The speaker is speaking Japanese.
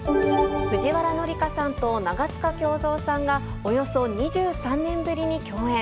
藤原紀香さんと長塚京三さんが、およそ２３年ぶりに共演。